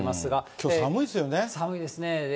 きょう、寒いですね。